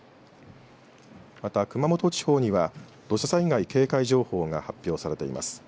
また、熊本地方には土砂災害警戒情報が発表されています。